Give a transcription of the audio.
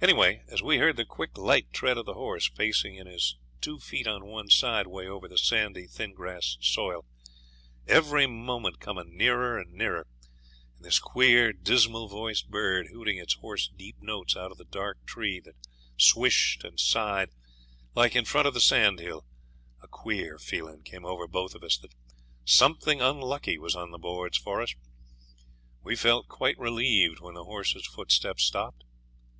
Anyhow, as we heard the quick light tread of the horse pacing in his two feet on one side way over the sandy, thin grassed soil, every moment coming nearer and nearer, and this queer dismal voiced bird hooting its hoarse deep notes out of the dark tree that swished and sighed like in front of the sandhill, a queer feeling came over both of us that something unlucky was on the boards for us. We felt quite relieved when the horse's footsteps stopped.